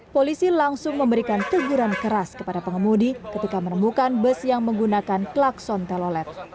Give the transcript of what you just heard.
polisi langsung memberikan teguran keras kepada pengemudi ketika menemukan bus yang menggunakan klakson telolet